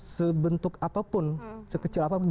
sebentuk apapun sekecil apapun